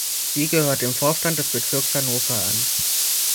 Sie gehört dem Vorstand des Bezirks Hannover an.